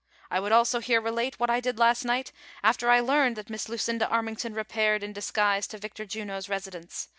" I would also here relate what I did last night, after I learned that Miss Lucinda Annington repaired in disguise to Victor Juno's residence.